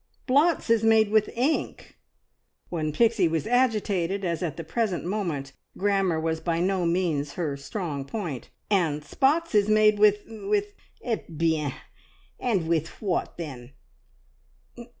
"Blots is made with ink," when Pixie was agitated, as at the present moment, grammar was by no means her strong point "and spots is made with with " "Eh bien! And with what, then?"